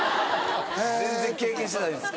全然経験してないですか？